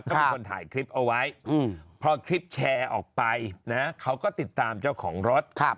ก็มีคนถ่ายคลิปเอาไว้พอคลิปแชร์ออกไปนะเขาก็ติดตามเจ้าของรถ